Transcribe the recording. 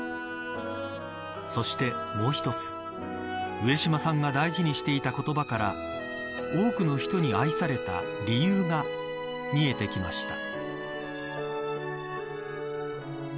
そして、もう一つ上島さんが大事にしていた言葉から多くの人に愛された理由が見えてきました。